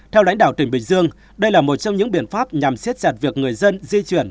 theo lãnh đạo tp hcm đây là một trong những biện pháp nhằm siết sạt việc người dân di chuyển